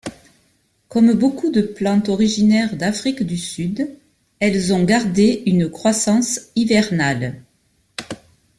Comme beaucoup de plantes originaires d'Afrique du Sud, elles ont gardé une croissance hivernale.